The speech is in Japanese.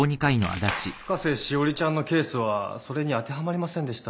深瀬詩織ちゃんのケースはそれに当てはまりませんでした。